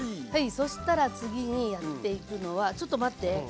そしたら次にやっていくのはちょっと待って。